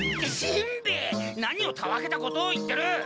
しんべヱ何をたわけたことを言ってる！